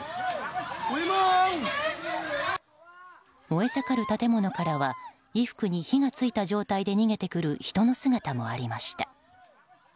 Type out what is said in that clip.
燃え盛る建物からは衣服に火が付いた状態で逃げてくる人の姿もありました。